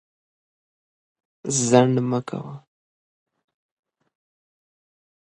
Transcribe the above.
ځنډ مه کوئ.